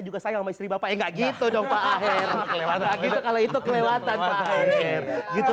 juga sayang istri bapak enggak gitu dong pak akhir akhir kalau itu kelewatan pak akhir itu